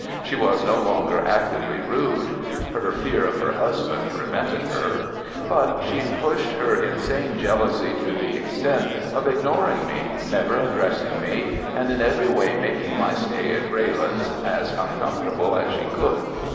She was no longer actively rude—her fear of her husband prevented her—but she pushed her insane jealousy to the extent of ignoring me, never addressing me, and in every way making my stay at Greylands as uncomfortable as she could.